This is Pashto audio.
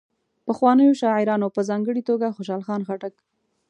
پخوانیو شاعرانو په ځانګړي توګه خوشال خان خټک.